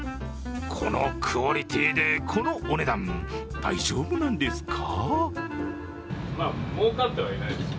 このクオリティーでこのお値段、大丈夫なんですか？